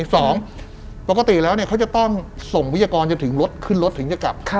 ปกติแล้วเขาจะต้องส่งวิทยากรจนถึงรถขึ้นรถถึงจะกลับ